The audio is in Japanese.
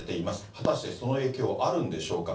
果たしてその影響はあるんでしょうか。